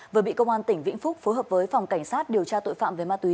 vừa bị công an tỉnh vĩnh phúc phối hợp với phòng cảnh sát điều tra tội phạm về ma túy